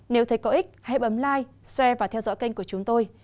nếu thấy có ích hãy ấm like share và theo dõi kênh của chúng tôi